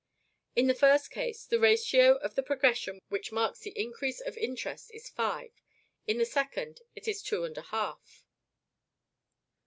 In the first case, the ratio of the progression which marks the increase of interest is five; in the second, it is two and a half.